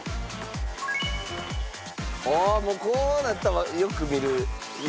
ああもうこうなったらよく見る色ですね。